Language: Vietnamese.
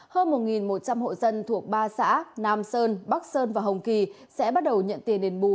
hơn một một trăm linh hộ dân thuộc ba xã nam sơn bắc sơn và hồng kỳ sẽ bắt đầu nhận tiền đền bù